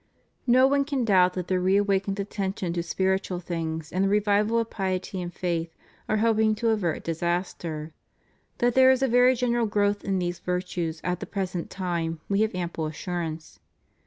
No one can doubt that the reawakened attention to spiritual things and the revival of piety and faith are helping to avert disaster. That there is a very general growth in these virtues at the present time we have ample assurance.